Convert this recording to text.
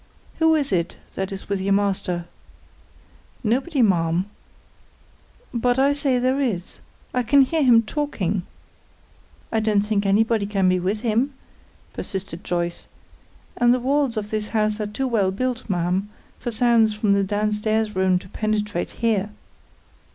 "Who is it that is with your master?" "Nobody, ma'am." "But I say there is. I can hear him talking." "I don't think anybody can be with him," persisted Joyce. "And the walls of this house are too well built, ma'am, for sounds from the down stairs rooms to penetrate here."